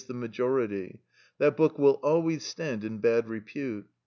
_, the majority, that book will always stand in bad repute.